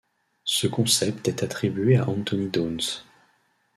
Ce concept est attribué à Anthony Downs.